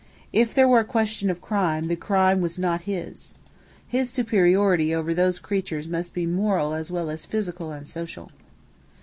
If there were a question of crime, the crime was not his. His superiority over those creatures must be moral as well as physical and social.